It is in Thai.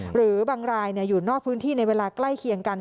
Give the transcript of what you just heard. หรือบางรายอยู่นอกพื้นที่ในเวลาใกล้เคียงกัน